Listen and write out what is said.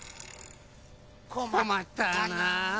こまったな。